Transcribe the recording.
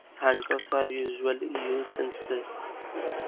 Handcuffs are usually used instead.